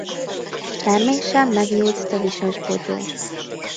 Termése megnyúlt tövises bogyó.